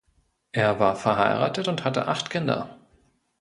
Er war verheiratet und hatte acht Kinder.